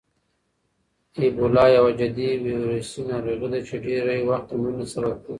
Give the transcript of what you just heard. اېبولا یوه جدي ویروسي ناروغي ده چې ډېری وخت د مړینې سبب کېږي.